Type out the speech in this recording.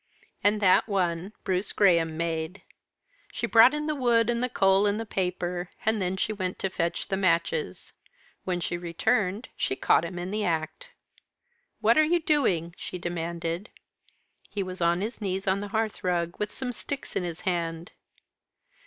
And that one Bruce Graham made. She brought in the wood, and the coal, and the paper; and then she went to fetch the matches. When she returned she caught him in the act. "What are you doing?" she demanded. He was on his knees on the hearthrug, with some sticks in his hand.